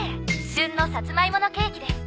旬のサツマイモのケーキです。